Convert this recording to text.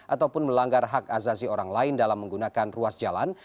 ataupun melanggar hak azazi orang lain dalam menggunakan ruas jalan